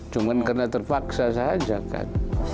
cuma karena terpaksa saja kan